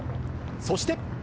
そして。